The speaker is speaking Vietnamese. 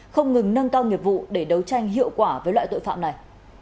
không ngừng nâng cao nghiệp vụ để đấu tranh hiệu quả với loại tội phạm này